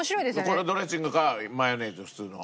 このドレッシングかマヨネーズ普通の。